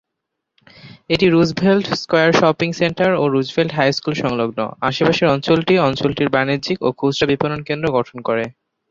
এটি Roosevelt square shopping centre ও Roosevelt high school সংলগ্ন, আশেপাশের অঞ্চলটি অঞ্চলটির বাণিজ্যিক ও খুচরা বিপণন কেন্দ্র গঠন করে।